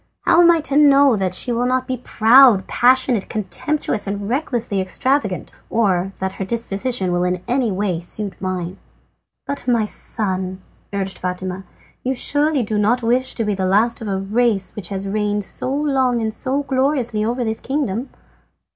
How am I to know that she will not be proud, passionate, contemptuous, and recklessly extravagant, or that her disposition will in any way suit mine?" "But, my son," urged Fatima, "you surely do not wish to be the last of a race which has reigned so long and so gloriously over this kingdom?"